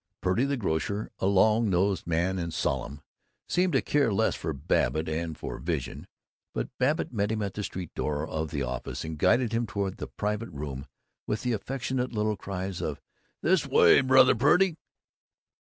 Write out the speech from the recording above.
Purdy, the grocer, a long nosed man and solemn, seemed to care less for Babbitt and for Vision, but Babbitt met him at the street door of the office and guided him toward the private room with affectionate little cries of "This way, Brother Purdy!"